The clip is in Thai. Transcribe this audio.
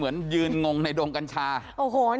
แต่ว่าถ้ามุมมองในทางการรักษาก็ดีค่ะ